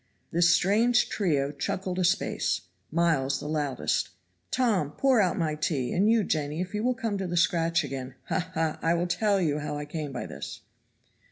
This strange trio chuckled a space. Miles the loudest. "Tom, pour out my tea; and you, Jenny, if you will come to the scratch again, ha! ha! I'll tell you how I came by this."